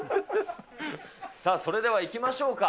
それではいきましょうか。